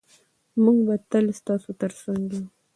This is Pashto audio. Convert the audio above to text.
موږ به تل ستاسو ترڅنګ یو.